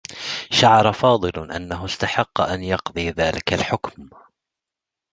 شعر فاضل أنّه استحقّ أن يقضي ذلك الحكم.